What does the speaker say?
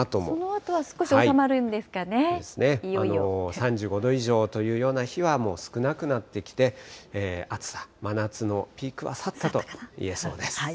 ３５度以上という日はもう少なくなってきて、暑さ、真夏のピークは去ったといえそうです。